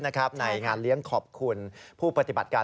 ในงานเลี้ยงขอบคุณผู้ปฏิบัติการ